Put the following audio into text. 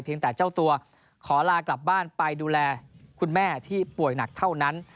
แต่เจ้าตัวขอลากลับบ้านไปดูแลคุณแม่ที่ป่วยหนักเท่านั้น